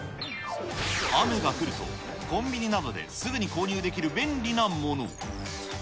雨が降ると、コンビニなどですぐに購入できる便利なもの。